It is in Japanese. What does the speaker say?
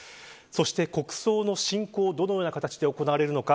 そして国葬の進行がどのような形で行われるのか。